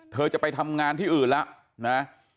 เธอจะไปทำงานที่อื่นแล้วนะ